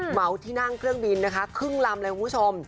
เหมาที่นั่งเครื่องบินนะคะครึ่งลำเลยคุณผู้ชม